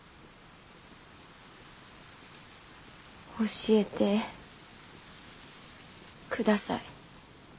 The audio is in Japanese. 教えてください。